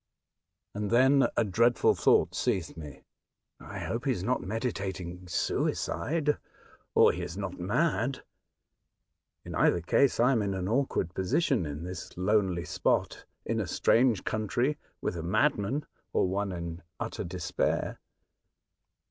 And then a dreadful thought seized me. ''I hope he is not meditating suicide, or he is not mad. In either case I am in an awkward position in B 2 4 A Voyage to Other Worlds. this lonely spot, in a strange country, with a madman or one in utter despair."